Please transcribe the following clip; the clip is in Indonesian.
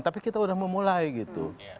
tapi kita udah memulai gitu